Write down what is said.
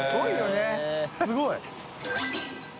すごい！△